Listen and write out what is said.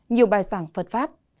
nhiều bài giảng phật pháp